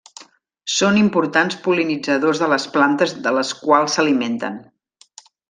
Són importants pol·linitzadors de les plantes de les quals s'alimenten.